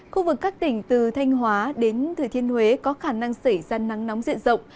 khu vực các tỉnh từ thanh hóa đến thừa thiên huế có khả năng xảy ra nắng nóng diện rộng